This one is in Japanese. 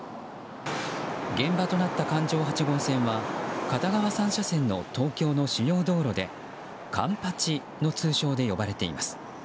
現場となった環状８号線は片側３車線の東京の主要道路で環八の通称で呼ばれています。